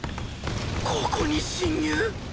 ここに進入！？